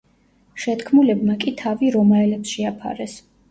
შეთქმულებმა კი თავი რომაელებს შეაფარეს.